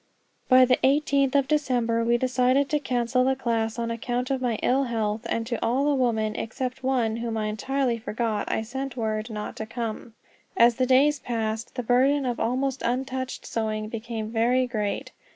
By the eighteenth of December we decided to cancel the class on account of my ill health; and to all the women, except one whom I entirely forgot, I sent word not to come. As the days passed, the burden of the almost untouched sewing became very great.